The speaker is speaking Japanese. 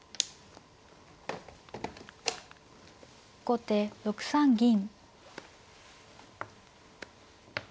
後手６三銀。